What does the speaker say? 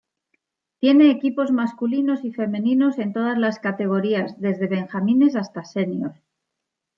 Tiene equipos masculinos y femeninos en todas las categorías, desde benjamines hasta senior.